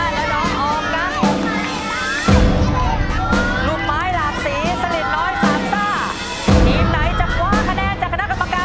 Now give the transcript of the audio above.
ยกที่๔ทีมที่ชนะคือทีม